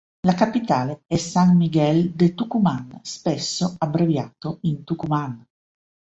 La Capitale è San Miguel de Tucumán, spesso abbreviato in "Tucumán".